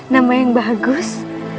nama yang bagus